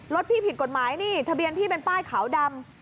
รถพี่ผิดกฎหมายนี่ทะเบียนพี่เป็นป้ายขาวดำ